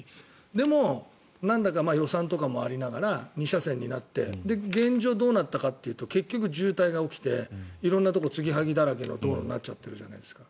でも、なんだか予算とかもありながら２車線になって現状どうなったかというと結局渋滞が起きて、色んなところつぎはぎだらけの道路になっちゃってるじゃないですか。